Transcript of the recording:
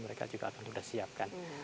mereka juga akan sudah siapkan